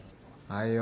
はいよ。